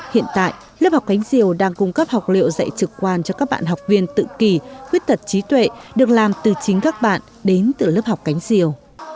hiện tại lớp học cánh diều đang cung cấp học liệu dạy trực quan cho các bạn học viên tự kỳ khuyết tật trí tuệ được làm từ chính các bạn đến từ lớp học cánh diều